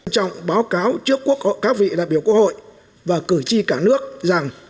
trong báo cáo trước các vị đại biểu quốc hội và cử tri cả nước rằng